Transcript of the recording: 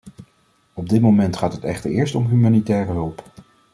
Op dit moment gaat het echter eerst om humanitaire hulp.